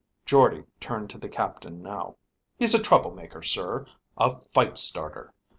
Jordde turned to the captain now. "He's a troublemaker, sir, a fight starter.